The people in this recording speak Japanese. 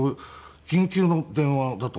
緊急の電話だと思って。